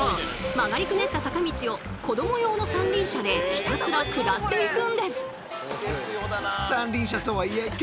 曲がりくねった坂道を子ども用の三輪車でひたすら下っていくんです！